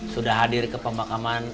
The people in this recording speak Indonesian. sudah hadir ke pemakaman